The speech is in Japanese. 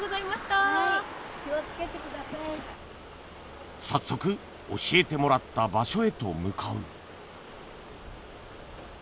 さっそく教えてもらった場所へと向かう